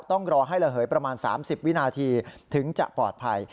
ต้องรอให้ระเหยประมาณ๓๐วินาทีถึงจะปลอดภัย